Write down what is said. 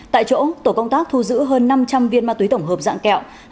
tại chỗ tổ công tác thu giữ hơn năm trăm linh viên ma túy tổng hợp dạng kẹo